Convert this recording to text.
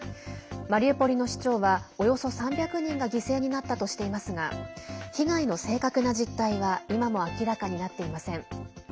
マリウポリの市長はおよそ３００人が犠牲になったとしていますが被害の正確な実態は今も明らかになっていません。